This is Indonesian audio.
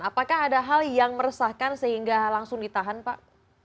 apakah ada hal yang meresahkan sehingga langsung ditahan pak